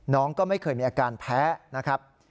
น้องก็ไม่เคยมีอาการแพ้นะครับ